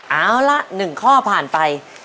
เอาละ๑ข้อผ่านไป